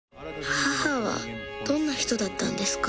母はどんな人だったんですか？